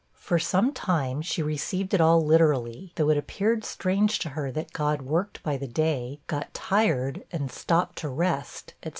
For some time she received it all literally, though it appeared strange to her that 'God worked by the day, got tired, and stopped to rest,' &c.